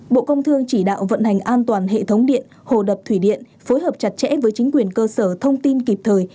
bộ công thương chỉ đạo vận hành an toàn hệ thống điện hồ đập thủy điện phối hợp chặt chẽ với chính quyền cơ sở thông tin kịp thời